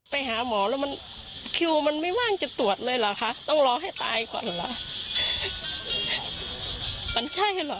ทำไมอ่ะประเทศไทยเป็นกระดาษนี้เลยหรอ